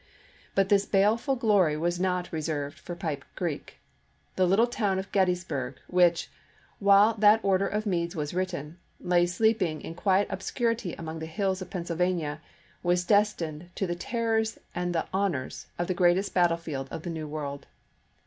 But this baleful glory was not reserved for Pipe Creek. The little town of Gettysburg, which, while that order of Meade's was written, lay sleeping in quiet obscurity among the hills of Pennsylvania, was destined to the ter rors and the honors of the greatest battlefield of the New World.